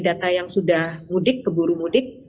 data yang sudah mudik keburu mudik